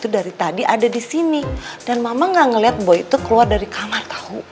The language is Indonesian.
daripada nanti dibohongin anak sendiri tau